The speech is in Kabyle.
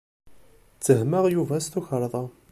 Ttehmeɣ Yuba s tukerḍa.